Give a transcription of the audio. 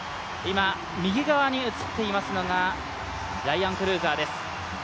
右側に映っていますのがライアン・クルーザーです。